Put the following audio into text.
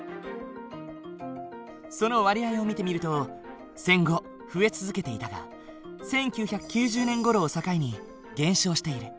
その割合を見てみると戦後増え続けていたが１９９０年ごろを境に減少している。